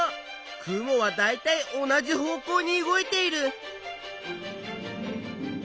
雲はだいたい同じ方向に動いている。